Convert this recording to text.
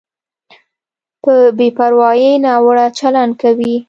په بې پروایۍ ناوړه چلند کوي.